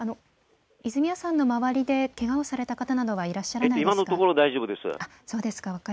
泉谷さんの周りでけがをされた方などはいらっしゃらないですか。